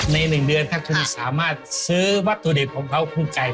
ใน๑เดือนถ้าคุณสามารถซื้อวัตถุดิบของพระพุทธไก่